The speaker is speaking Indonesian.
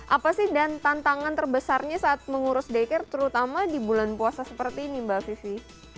apa sih dan tantangan terbesarnya saat mengurus daycare terutama di bulan puasa seperti ini mbak vivi